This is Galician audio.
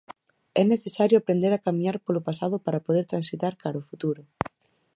É necesario aprender a camiñar polo pasado para poder transitar cara ao futuro.